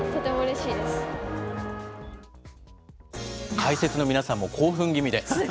解説の皆さんも、興奮気味で。